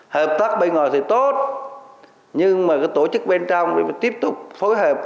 hợp tác bên ngoài thì tốt nhưng mà tổ chức bên trong tiếp tục phối hợp